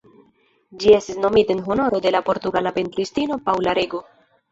Ĝi estis nomita en honoro de la portugala pentristino Paula Rego.